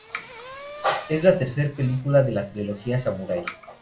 Es la tercer película de la trilogía "Samurai".